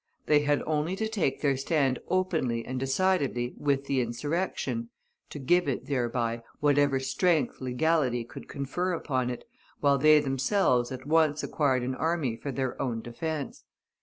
They had only to take their stand openly and decidedly with the insurrection, to give it, thereby, whatever strength legality could confer upon it, while they themselves at once acquired an army for their own defence.